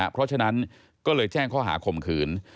เพราะฉะนั้นก็เลยแจ้งข้อหาข่มขืน